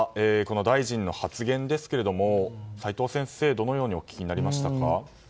大臣の発言ですが齋藤先生、どのようにお聞きになりましたか？